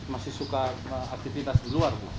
masih suka aktivitas di luar bu